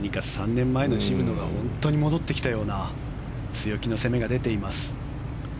３年前の渋野が戻ってきたような強気の攻めが出ています。